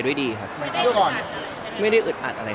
แล้วถ่ายละครมันก็๘๙เดือนอะไรอย่างนี้